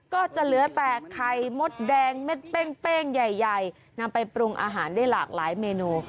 ก็จะเหลือแต่ไข่มดแดงเม็ดเป้งใหญ่นำไปปรุงอาหารได้หลากหลายเมนู